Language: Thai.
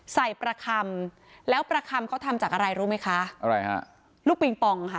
ประคำแล้วประคำเขาทำจากอะไรรู้ไหมคะอะไรฮะลูกปิงปองค่ะ